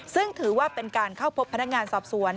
ซึ่งถือว่าเป็นการเข้าพบพนักงานสอบสวน